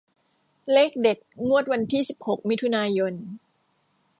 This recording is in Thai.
เลขเด็ดงวดวันที่สิบหกมิถุนายน